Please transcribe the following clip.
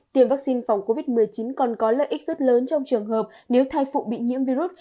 tiêm vaccine phòng covid một mươi chín còn có lợi ích rất lớn trong trường hợp nếu thai phụ bị nhiễm virus